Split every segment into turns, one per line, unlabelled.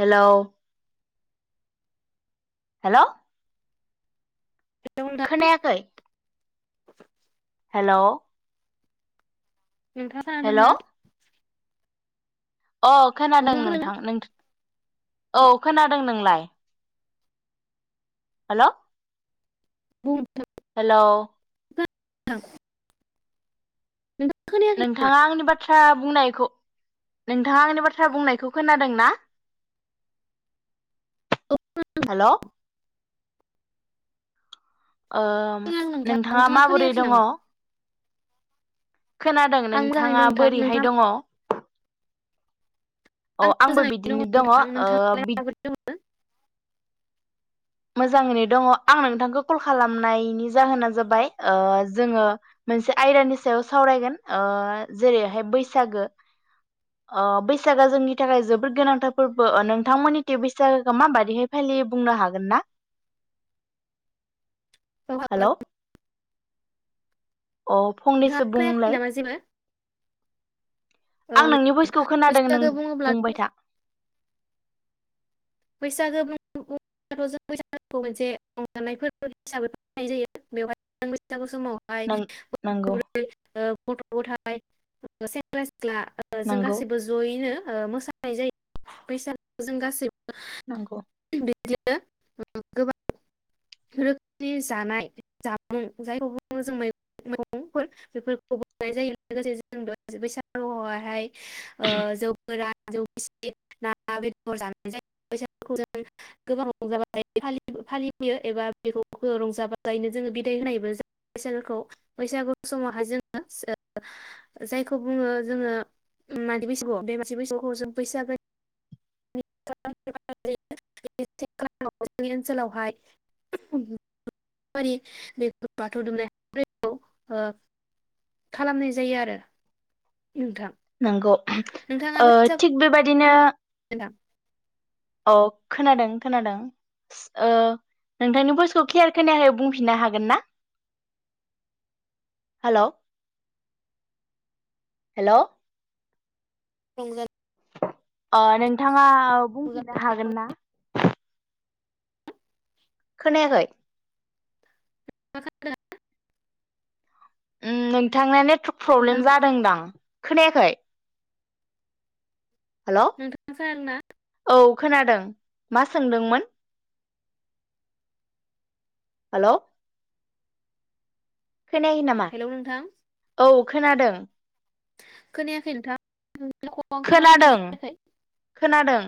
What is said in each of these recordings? Hello hello
hello नोंथां
खोनायाखै hello
नोंथाङा
हेलौ
दोंना
अ खोनादों
नोंथाङा खोनादोंना
नोंथां औ खोनादों नोंलाय। [inaudible] हेल।
बुं थां।
हेल।
आ।
नोंथाङा आंनि बाथ्रा बुंनाय। खौ नोंथाङा आंनि बाथ्रा बुंनायखौ खोनादों ना।
औ खोनादों
हेल। ओ
नोंथां
नोंथाङा माबोरै
खोनायाखै
दङ।
नामा
खोनादों
आं मोजाङैनो दं
नोंथाङा
नोंथां
बोरैहाय
नोंथाङा
दङ। अ
आं
आंबो
मोजाङैनो
बिदिनो दङ
नोंथां
ओ
नोंथाङालाय
बि।
माबोरै दङ
मोजाङैनो दङ आं नोंथांखौ कल खालामनायनि जाहोना जाबाय ओ जोङो मोनसे आयदानि सायाव सावरायगोन ओ जेरैहाय बैसागो ओ बैसागोआ जोंनि थाखाय जोबोद गोनांथार फोरबो नोंथांमोननिथि बैसागोखौ माबाददिहाय फालियै बुंनो हागोन ना। हेल'
[inaudible]
अ
नोंथाङा
फंनैसो
खोनायाखै
बुंलाय।
नामा जेबो औ
आं नोंनि भइसखौ खोनादों नों
बैसागो बुङोब्ला
बुंबाय था।
बैसागोथ' जों बैसागुखौ मोनसे रंजानाय फोरबो हिसाबै होननाय जायो बेवहाय जों बैसागु। समावहाय।
नों
[inaudible]
नंगौ
गथ गथाय सेंग्रा सि सिख्ला जों
नंगौ
गासैबो जयैनो ओ मोसानाय जायो बैसागु जों गासैबो।
नंगौ।
बिदिनो गोबां रोखोमनि जानाय जामुं जायखौ बुङो जों मैगंफोर बेफोरखौ बनाय जायो लोगोसे जों बैसागुआवहाय ओ जौफोरा [unintelligible] ना बेदर जा ज बैसागुखौ जों गोबां रंजाबाजायो फालिबोयो एबा बेखौ रंजा बाजायैनो जोङो बिदाय होनायबो ज बैसागोखौ बैसागु समावहाय जोङो जायखौ बुङो जोङो म बैसागुआव बे म बैसागुखौ जों बैसागो। [unintelligible] जोंनि ओनसोलावहाय बाथौ दुमनाय ओ। खालामनाय जायो आरो। नोंथां
नंगौ ओ
नोंथाङाबो
थिग बे बाय बिदिनो।
[inaudible]
अ खोनादों खोनादों ओ नोंथांनि बइसखौ क्लियार खोनायाखै बुंफिननो हागोन ना हेल' हेल'।
[unintelligible]
अ नोंथाङा
नोंथां
बुंफिनो हागोन ना? खोनायाखै?
[unintelligible]
उम नोंथां ना नेट
नोंथाङा
प्रब्लेम जादोंदां? खोनायाखै? हेल'
नोंथांजो आंना
औ खोनादों मा सोंदोंमोन? हेलौ। खोनायो नामा
हेलौ नोंथां
औ? खोनादों?
खोनायाखै नोंथां। रावखौ आं खोनाफैनाय
खोनादों
जायाखै
खोनादों।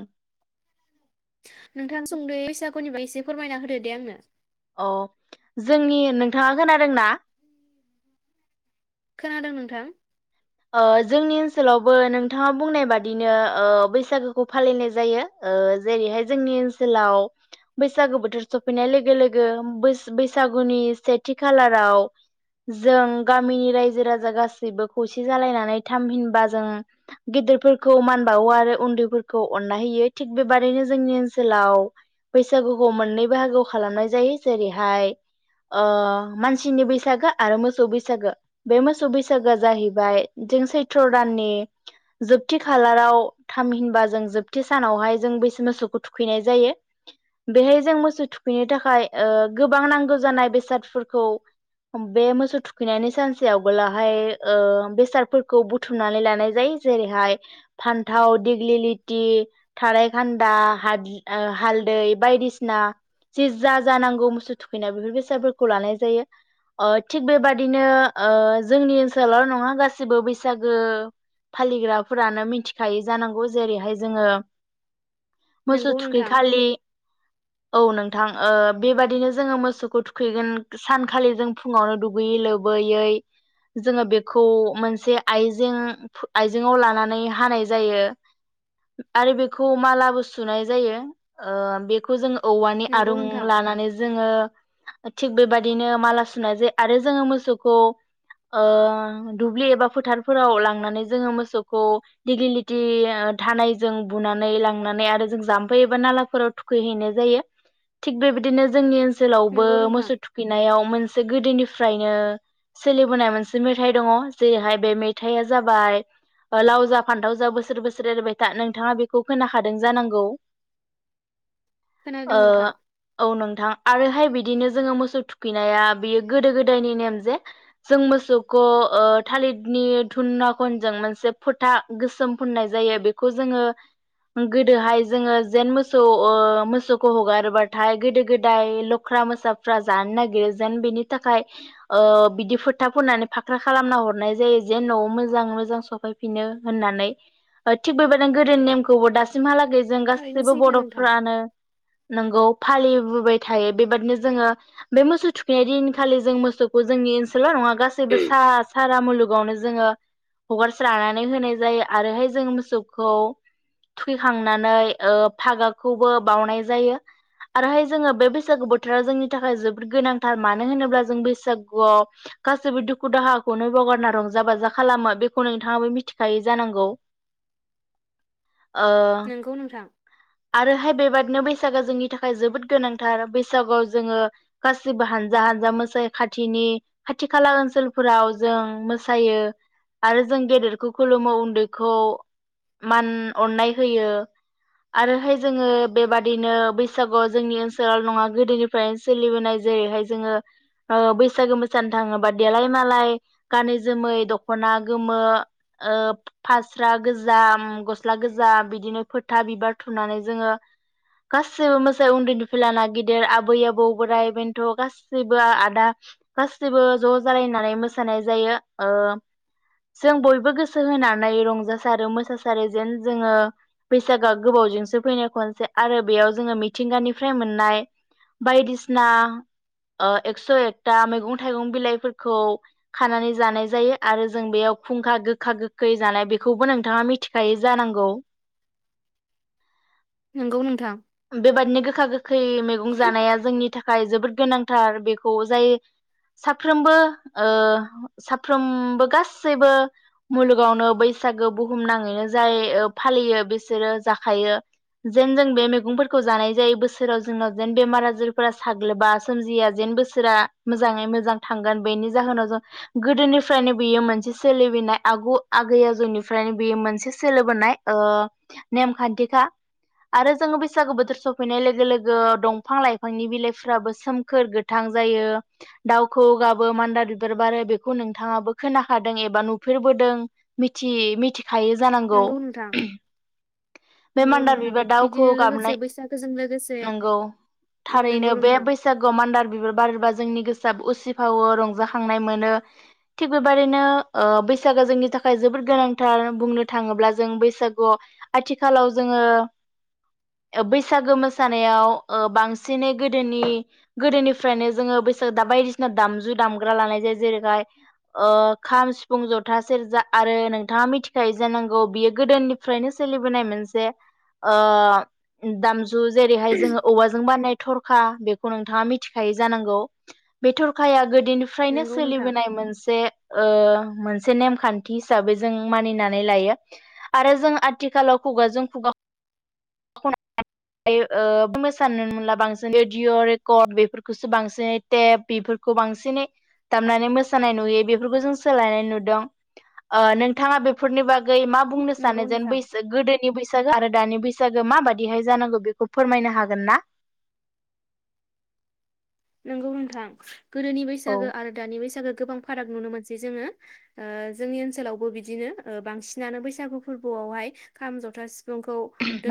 नोंथां सुंदयै बैसागुनिबागै एसे फोरमायना होदो दे आंनो।
अ जोंनि नोंथाङा खोनादोंना?
खोनादों नोंथां?
ओ जोंनि ओनसोलावबो नोंथाङा बुंनाय बादिनो ओ बैसागोखौ फालिनाय जायो ओ जेरैहाय जोंनि ओसोलाव बैसागु बोथोर सौफैनाय लोगो लोगो बोस बैसागुनि सेथि खालाराव जों गामिनि रायजो राजा गासैबो खौसे जालायनानै थामहिनबा जों गिदिरफोरखौ मान बावो आरो उन्दैफोरखौ अनना होयो थिग बेबादिनो जोंनि ओनसोलाव बैसागुखौ मोन्नै बाहागोआव खालामनाय जायो जेरैहाय ओ मानसिनि बैसागो आरो मोसौ बैसागो बे मोसौ बैसागोआ जाहै बाय जों सैथ्र' दाननि जोबथि खालाराव थामहिनबा जों जोबथि सानावहाय जों [unintelligible] खौ थुखैनाय जायो बेहाय जों मोसौ थुखैनो थाखाय ओ गोबां नांगौ जानाय बेसादफोरखौ बे मोसौ थुखैनायनि सानसे आगलाहाय ओ बेसादफोरखौ बुथुमनानै लानाय जायो जेरैहाय फान्थाव दिग्लिलिथि थारायखान्दा हाद्र ओ हालदै बायदिसिना जि जा जानांगौ मोसौ थुखैनाय बेफोर बेसादफोरखौ लानाय जायो ओ थिग बेबादिनो ओ जोंनि ओनसोलावल' नङा गासिबो बैसागो फालिग्राफोरानो मिथिखायो जानांगौ जेरैहाय जोङो मोसौ
नोंगौ
थुखै
नोंथां
खालि औ नोंथां ओ बेबादिनो जोङो मोसौखौ थुखैगोन सानखालि जों फुङावनो दुगैयै लोबैयै जोङो बेखौ खौ मोनसे आइजें आइजेंआव लानानै हानाय जायो आरो बेखौ मालाबो सुनाय जायो ओ बेखौ जों औवानि
नोंगौ
आरुं
नोंथां
लानानै जोङो थिग बेबायदिनो माला सुनाय जायो आरो जोङो मोसौखौ ओ दुब्लि एबा फोथारफोराव लांनानै जोङो मोसौखौ दिगलिलिथि थानायजों बुनानै लांनानै आरो जों जाम्फै एबा नालाफोराव थुखैहैनाय जायो थिग बेबायदिनो जोंनि सोलावबो
नोंगौ नोंथां
मोसौ थुखैनायाव मोनसे गोदोनि फ्रायनो सोलिबोनाय मोनसे मेथाइ दङ जेरैहाय बे मेथाइया जाबाय लाव जा फान्थाव जा बोसोर बोसोर एरबाय था नोंथाङा बेखौ खोनाखादों जानांगौ?
खोनादों
ओ
नोंथां
औ नोंथां। आरोहाय बिदिनो जोङो मोसौ थुखैनाया बियो गोदो गोदायनि नेम जे जों मोसौ को ओ थालिदनि धुनना कनजों मोनसे फोथा गोसोम फुननाय जायो बेखौ जोङो गोदोहाय जोङो जेन मोसौ ओ मोसौखौ हगारोबाथाय गोदो गोदाय लख्रा मोसाफ्रा जानो नागिरो जेन बेनि थाखाय ओ बिदि फोथा फुननानै फाख्रा खालामना हरनाय जायो जेन न'आव मोजां मोजां सफैफिनो होननानै ओ थिग बेबायदिनो गोदोनि नेमखौबो दासिमहालाग गै जों
थारैनो
गासैबो
सैथो नोंथां
बर'फ्रानो नंगौ फालिबोबाय थायो बेबादिनो जोङो बे मोसौ थुखैनाय दिनखालि जों मोसौखौ जोंनि ओनसोलल' नङा गासैबो सारा मुलुगावनो जोङो हगारस्रानानै होनाय जायो आरोहाय जों मोसौखौ थुखैखांनानै ओ फागाखौबो बउनाय जायो आरोहाय जोङो बे बैसागु बोथोरा जोंनि थाखाय जोबोद गोनांथार मानो होनोब्ला जों बैसागुआव गासैबो दुखु दुखु दाहाखौनो बावगारना रंजा बाजा खालामो बेखौ नोंथाङाबो मिथिखायो जानांगौ। ओ
नोंगौ नोंथां
आरोहाय बेबाद नो बैसागोआ जोंनि थाखाय जोबोद गोनांथार बैसागुआव जोङो गासिबो हानजा हानजा मोसायो खाथिनि खाथि खाला ओनसोल फोराव जों मोसायो आरो जों गेदेरखौ खुलुमो उन्दैखौ मान अननाय होयो आरोहाय जोङो बेबादिनो बैसागुआव जोंनि ओनसोलाव नङा गोदोनिफ्रायनो सोलिबोनाय जेरैहाय जोङो ओ बैसागो मोसानो थाङोबा देलाय मालाय गानै जोमै दख'ना गोमो ओ फास्रा गोजा गस्ला गोजा बिदिनो फोथा बिबार थुनानै जोङो गासैबो मोसायो उन्दैनिफ्राय लाना गिदिर आबै आबौ बोराय बेन्थ' गासैबो आदा गासिबो ज' जालायनानै मोसानाय जायो ओ जों बयबो गोसो होनानै रंजासारो मोसासारो जेन जोङो बैसागोआ गोबावजोंसो फैनाय खनसे आरो बेयाव जोङो मिथिंगानिफ्राय मोननाय बायदिसिना ओ एकस' एकथा मैगं थाइगं बिलाइफोर खौ खानानै जानाय जायो आरो जों बेयाव खुंखा गोखा गोखै जानाय बेखौबो नोंथाङा मिथिखायो जानांगौ।
नोंगौ नोंथां
बेबादिनो गोखा गोखै मैगं जानाया जोंनि थाखा थाखाय जोबोद गोनांथार बेखौ जाय साफ्रोमबो ओ साफ्रोमबो गासैबो मुलुगावनो बैसागो बुहुम नाङैनो जाय ओ फालियो बिसोरो जाखायो जेन जों बे मैगंफोरखौ जानाय जायो बोसोराव जोंनाव जेन बेमार आजारफोरा साग्लोबा सोमजिया जेन बोसोरा मोजाङै मोजां थांगोन बेनि जाहोनाव जों गोदोनिफ्रायनो बेयो मोनसे सोलिबोनाय आगु आगै आजौनिफ्रायनो बेयो मोनसे सोलिबोनाय ओ नेमखान्थिखा आरो जोङो बैसागु बोथोर सफैनाय लोगो लोगो दंफां लाइफांनि बिलाइफ्राबो सोमखोर गोथां जायो दाउखौ गाबो मान्दार बिबार बारो बेखौ नोंथाङो खोनाखिदों एबा नुफेरबोदों मिथि मिथि खायो जानांगौ।
नोंगौ नोंथां
बे
नंगौ
मान्दार
नोंथां
बिबार
बिदिनो
दाउखौवौ
लोगोसे
गाबनाय
बैसागोजों लोगोसे
नंगौ थारैनो
नंगौ
बे
नोंथां
बैसागोआव मान्दार बिबार बारबा जों जोंनि गोसोआ उसिफावो रंजाखांनाय मोनो थिग बेबायदिनो ओ बैसागो जोंनि थाखाय जोबोद गोनांथार बुंनो थाङोब्ला जों बैसागुआव आथिखालाव जोङो बैसागो मोसानायाव ओ बांसिनै गोदोनि गोदोनिफ्रायनो जोङो बैसागो दा बायदिसिना दामजु दामग्रा लानाय जायो जेरैहाय ओ खाम सिफुं जथा सेरजा आरो नोंथाङा मिथिखायो जानांगौ बियो गोदोनिफ्रायनो सोलिबोनाय मोनसे ओ दामजु जु जेरैहाय जोङो औवाजों बानाय थरखा बेखौ नोंथाङा मिथिखायो जानांगौ बे थरखाया गो दोनिफ्रायनो
नंगौ नोंथां
सोलिबोनाय मोनसे ओ मोनसे नेमखान्थि हिसाबै जों मानिनानै लायो आरो जों आ आथिखालाव खुगाजों खुगा [unintelligible] ओ मोसानो मोनला बांसिन रेडिअ' रेकर्ड बेफोरखौसो बांसिनै टेप बेफोरखौ बांसिनै दामनानै मोसानाय नुयो बेफोरखौ जों सोलायनाय नुदों ओ नोंथाङा बेफोरनि बाग गै मा बुंनो सानो
नंगौ
जेन
नोंथां
बैस गोदोनि बैसागो आरो दानि बैसागो माबादिहाय जानांगौ बेखौ फोरमायनो हागोनना?
नोंगौ नोंथां। गोदोनि बैसागो आरो दानि बैसागो गोबां फाराग नुनो मोनसै जोङो ओ जोंनि ओनसोलावबो बिदिनो ओ बांसिनानो बैसागु फोरबोआवहाय खाम जथा सिफ फुंखौ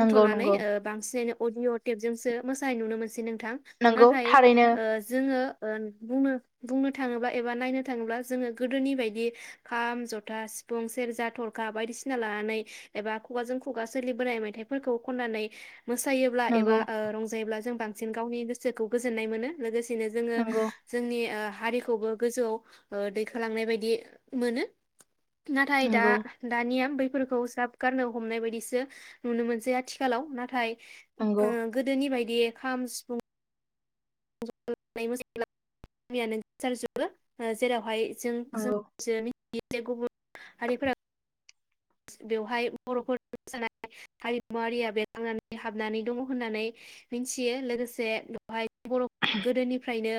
नंगौ नंगौ
ओ बांसिन अडिअ' टेपजोंसो मोसानाय नु मोनसै नों थां
नंगौ
नाथाय
थारैनो
ओ जोङो ओ बुंनो बुंनो थाङोब्ला एबा नायनो थाङोब्ला जोङो गोदोनि बायदि खाम जथा सिफुं सेरजा थरखा बायदिसिना लानानै एबा खुगाजों खुगा सोलिबोनाय मेथाइफोरखौ खन्नानै मोसायोब्ला एबा
नंगौ
ओ रंजायोब्ला जों बांसिन गावनि गोसोखौ गो जोननाय मोनो लोगोसे नो जोङो
नंगौ
जोंनि ओ हारिखौबो गोजौआव ओ दैखोलांनाय बायदि मोनो। नाथाय दा
नंगौ
दानिया बै फोरखौ ज्राब गारनो हमनाय बायदिसो नुनो मोनसै आथिखालाव नाथाय ओ
नंगौ
गोदोनि बायद दे खाम, सिफुं [inaudible]
नंगौ
[unintelligible] [inaudible] बेवहाय बर'फोर मोसानाय हारिमुवारिया बे थांनानै हाबनानै दङ होननानै मिथियो लोगोसे बेवहाय बर'फ गोदोनिफ्रायनो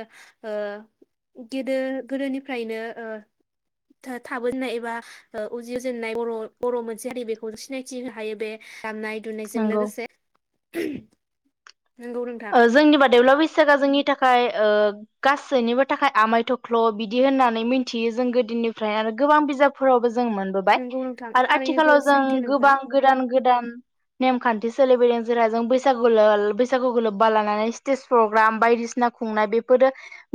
ओ गोदो गोदोनिफ्रायनो ओ थाबोननाय एबा ओ उजिजेननाय बर' [inaudible] दामनाय दुनायजों
नंगौ
लोगोसे नंगौ नोंथां
जोंनि बादैब्ला बैसागुआ जोंनि थाखाय ओ गासैनिबो थाखाय आमाय थख्ल' बिदि होननानै मिथियो जों गोदोनिफ्राय आरो गोबां बिजाबफोरावबो जों जों मोनबोबाय
नंगौ नोंथां
आरो
थारैनो
आथिखालाव जों
सैथो नोंथां
गोबां गोदान गोदान [inaudible] लोब्बा लानानै स्टेज प्रग्राम बायदिसिना खुंनाय बेफोरो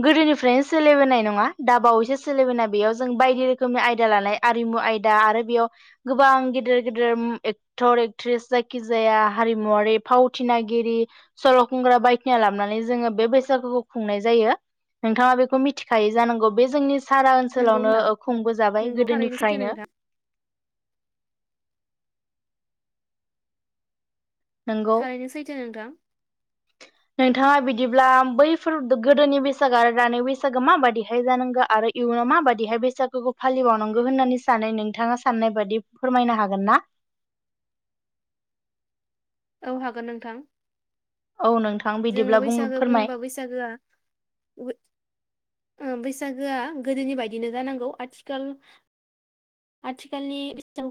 गोदोनिफ्रायनो सोलिबोनाय नङा दा बावैसो सोलिबोनाय बेयाव जों बायदि रोखोमनि आयदा लानाय आरिमु आयदा आरो बेयाव गोबां गेदेर गिदिर एक्टर, एक्ट्रिस जायखिजाया हारिमुवरारि फावथिनागिरि सल' खुंग्रा बायदिना लाबोनानै जोङो बे बैसागुखौ खुंनाय जायो नोंथाङा बेखौ मिथिखायायो जानांगौ बे जोंनि सारा
नंगौ
ओनसोलावनो
नोंथां
ओ खुंबोजाबाय
नंगौ थारैनो सैथो
गोदोनिफ्रायनो
नोंथां
नोंगौ
थारैनो सैथो नोंथां
नोंथाङा बिद बिदिब्ला बैफोर गोदोनि बैसागो आरो दानि बैसागो माबादिहाय जानांगौ आरो इयुनाव माबादिहाय बैसागोखौ फालिबावनांगौ होननानै सानो नोंथाङा साननाय बादि फोरमायनो हागोन ना
औ हागोन नोंथां
औ नोंथां
जोङो
बिदिब्ला बुं
बैसागो
फोरमाय
बुङोबा बैसागोआ बैसागोआ गोदोनि बायदिनो जानांगौ आथिखाल आथिखालनि